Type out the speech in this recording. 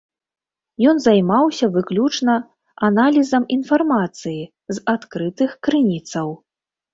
Ён займаўся выключна аналізам інфармацыі з адкрытых крыніцаў.